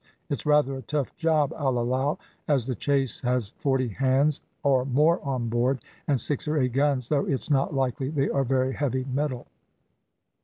It's rather a tough job I'll allow, as the chase has forty hands or more on board, and six or eight guns, though it's not likely they are very heavy metal."